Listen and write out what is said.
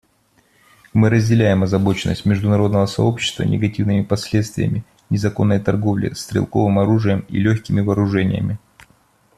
Мы разделяем озабоченность международного сообщества негативными последствиями незаконной торговли стрелковым оружием и легкими вооружениями.